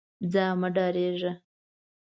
ځه مه ډارېږه.